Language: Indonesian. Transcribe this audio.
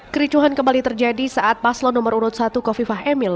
kericuhan kembali terjadi saat paslon nomor urut satu kofifah emil